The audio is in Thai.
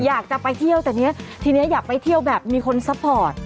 อยากจะไปเที่ยวแต่เนี่ยทีนี้อยากไปเที่ยวแบบมีคนซัพพอร์ต